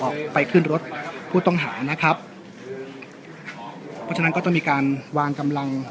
ออกไปขึ้นรถผู้ต้องหานะครับเพราะฉะนั้นก็ต้องมีการวางกำลัง